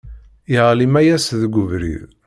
Yeɣli Mayas deg ubrid.